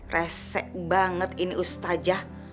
resek banget ini ustazah